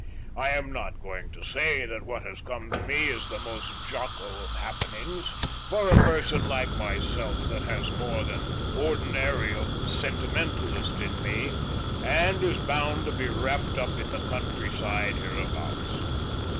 I am not going to say that what has come to me is the most joco of happenings for a person like myself that has more than ordinary of the sentimentalist in me, and is bound to be wrapped up in the country side hereabouts.